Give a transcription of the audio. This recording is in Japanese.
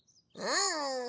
うん？